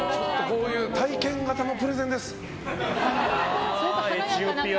こういう体験型のプレゼンです。